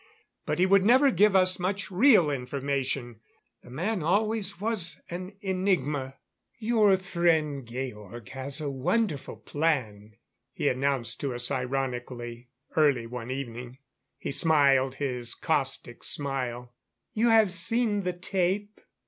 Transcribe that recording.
But he would never give us much real information; the man always was an enigma. "Your friend Georg has a wonderful plan," he announced to us ironically early one evening. He smiled his caustic smile. "You have seen the tape?"